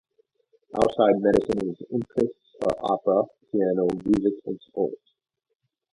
Outside medicine, his interests are opera, piano music and sport.